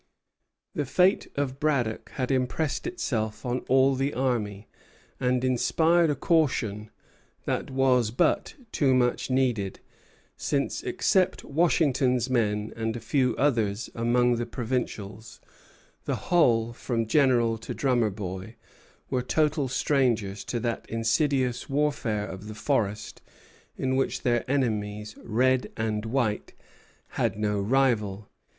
The fate of Braddock had impressed itself on all the army, and inspired a caution that was but too much needed; since, except Washington's men and a few others among the provincials, the whole, from general to drummer boy, were total strangers to that insidious warfare of the forest in which their enemies, red and white, had no rival.